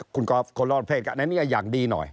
อ๋อคุณครับคนละประเภทกันอันนี้อย่างดีหน่อย